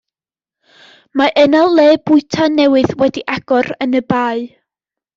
Mae yna le bwyta newydd wedi agor yn Y Bae.